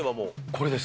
これです。